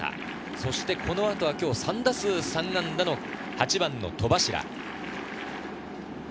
そしてこの後は今日、３打数３安打の８番・戸柱。